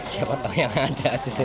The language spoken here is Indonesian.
siapa tau yang ada